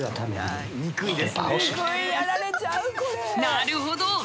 なるほど！